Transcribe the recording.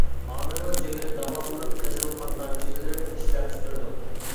ھامىلىنىڭ جىگىرى داۋاملىق قىزىل قان دانچىلىرى ئىشلەپ چىقىرىدۇ.